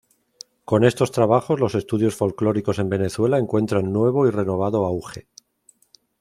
Con estos trabajos los estudios folklóricos en Venezuela encuentran nuevo y renovado auge.